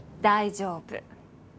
大丈夫。